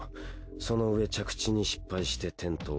そのうえ着地に失敗して転倒。